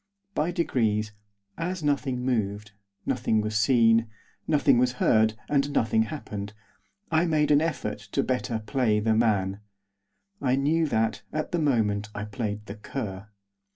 By degrees, as nothing moved, nothing was seen, nothing was heard, and nothing happened, I made an effort to better play the man. I knew that, at the moment, I played the cur.